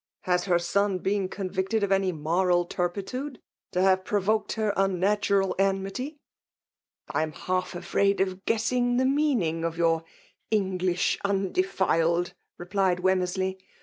Has her son been contictdd'of any moral turpitude, to have provoked* her unnatural enmity ?"''^ I am half afiraid of guessing the meaning of your * English undefiled/" replied Wetn ntersley.